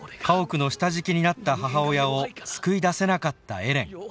家屋の下敷きになった母親を救い出せなかったエレン。